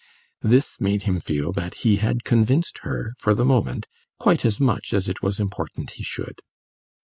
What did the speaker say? this made him feel that he had convinced her, for the moment, quite as much as it was important he should.